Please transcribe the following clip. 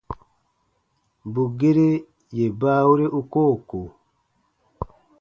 Bù gere yè baawere u koo ko.